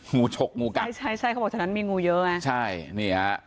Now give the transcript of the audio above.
งูชกงูกักใช่ใช่ใช่เขาบอกฉะนั้นมีงูเยอะอ่ะใช่เนี่ย